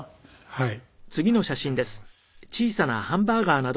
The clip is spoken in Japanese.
はい。